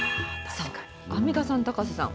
アンミカさん、高瀬さん